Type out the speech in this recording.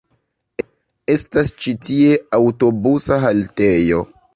Estas ĉi tie aŭtobusa haltejo.